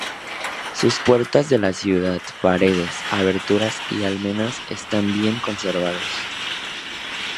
Sus puertas de la ciudad, paredes, aberturas y almenas están bien conservados.